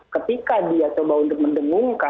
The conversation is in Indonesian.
ketika dia coba untuk mendengarkan informasi